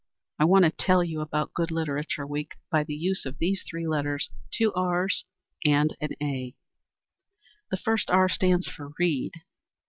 I want to tell you about Good Literature week by the use of these three letters, two R's and an A. The first R stands for Read.